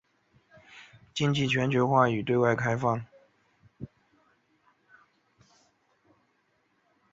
与贝德福德区相邻的中贝德福德郡。